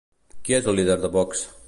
Qui és el líder de Vox?